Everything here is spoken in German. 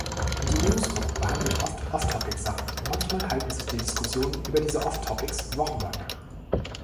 Die Newsgruppe behandelt oft off-topic-Sachen manchmal halten sich die Diskussion über diese Off-Topics wochenlang.